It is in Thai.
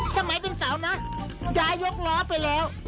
สมัยเป็นสาวนะยายกล้อไปแล้ว